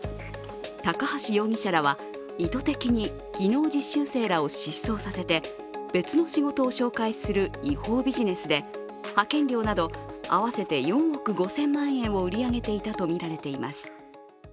高橋容疑者らは意図的に技能実習生らを失踪させて別の仕事を紹介する違法ビジネスで派遣料など合わせて４億５０００万円を売り上げていたとみられています。